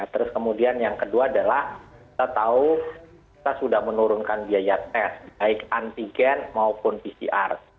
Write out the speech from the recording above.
terus kemudian yang kedua adalah kita tahu kita sudah menurunkan biaya tes baik antigen maupun pcr